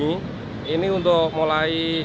ini untuk mulai